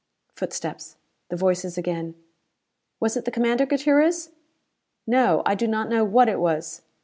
Footsteps. The voices again. "Was it the commander, Gutierrez?" "No. I do not know what it was.